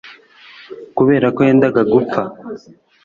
kubera ko yendaga gupfa